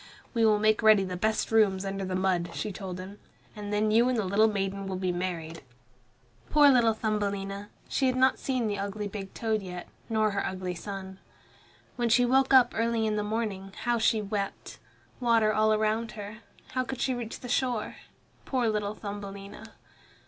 "We will make ready the best rooms under the mud," she told him, "and then you and the little maiden will be married." Poor little Thumbelina! She had not seen the ugly big toad yet, nor her ugly son. When she woke up early in the morning, how she wept! Water all around her! How could she reach the shore? Poor little Thumbelina!